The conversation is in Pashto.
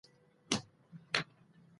لمسۍ د زوی لور، د لور، لور